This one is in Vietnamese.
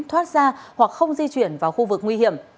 thoát ra hoặc không di chuyển vào khu vực nguy hiểm